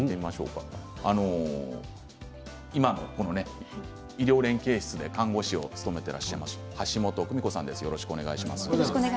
今、医療連携室で看護師を務めている橋本久美子さんです。